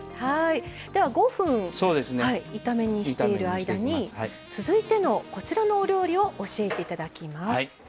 では５分炒め煮している間に続いての、お料理を教えていただきます。